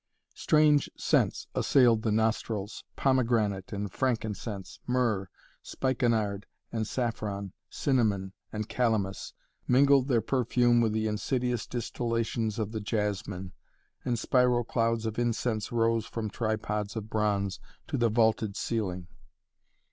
Strange scents assailed the nostrils: pomegranate and frankincense, myrrh, spikenard and saffron, cinnamon and calamus mingled their perfume with the insidious distillations of the jasmine, and spiral clouds of incense rose from tripods of bronze to the vaulted ceiling.